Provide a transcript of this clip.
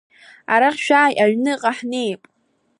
Арахь шәааи, аҩныҟа ҳнеип.